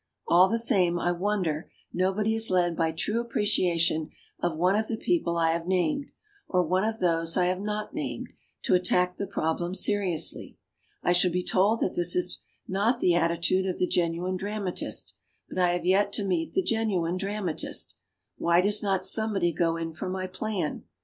All the same, I wonder nobody is led by true appreciation of one of the people I have named, or one of those I have not named, to attack the problem seriously. I shall be told that this is not the attitude of the genuine dramatist; but I have yet to meet the genuine dramatist. Why does not somebody go in for my plan?